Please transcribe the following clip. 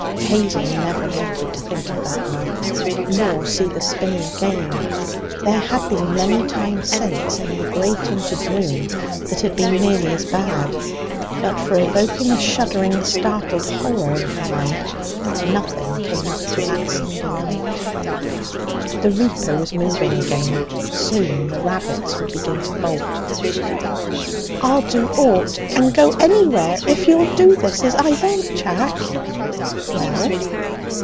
Hazel never wanted to think of that night, nor see the Spinney again. There had been many times since, in the grey tinted room, that had been nearly as bad. But for evoking a shuddering, startled horror in her mind, nothing came up to that Sunday night. The reaper was moving again. Soon the rabbits would begin to bolt. 'I'll do ought and go anywhere if you'll do this as I want, Jack.' 'Well?'